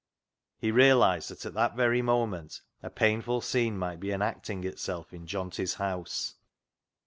He realised that at that very moment a painful scene might be enacting itself in Johnty's house.